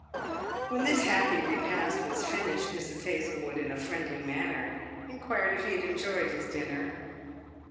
When this happy repast was finished, Mrs. Hazlewood, in a friendly manner, inquired if he had enjoyed his dinner.